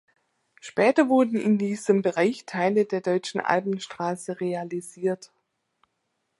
Später wurden in diesem Bereich Teile der Deutschen Alpenstraße realisiert.